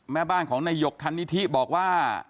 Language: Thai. แม่บ้านของนายหยกธันนิธิบอกว่า